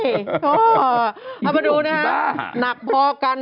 เอามาดูนะฮะหนักพอกัน